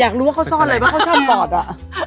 รู้ว่าเขาซ่อนอะไรบ้างเขาชอบบอดอ่ะ